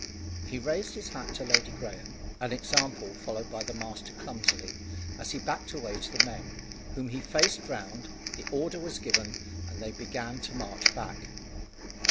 He raised his hat to Lady Graeme, an example followed by the master clumsily, as he backed away to the men, whom he faced round, the order was given, and they began to march back.